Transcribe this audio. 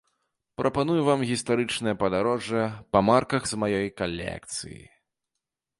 Прапаную вам гістарычнае падарожжа па марках з маёй калекцыі.